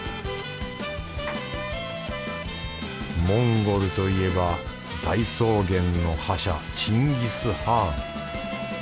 モンゴルといえば大草原の覇者チンギスハーン。